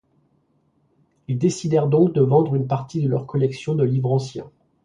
Ils décidèrent donc de vendre une partie de leur collection de livres anciens.